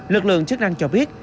lực lượng chức năng cho biết